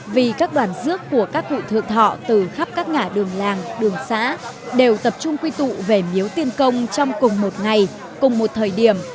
vì các đoàn rước của các cụ thượng thọ từ khắp các ngã đường làng đường xã đều tập trung quy tụ về miếu tiên công trong cùng một ngày cùng một thời điểm